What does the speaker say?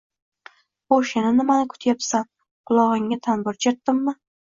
Xoʻsh, yana nimani kutyapsan? Qulogʻingga tanbur chertdimmi?!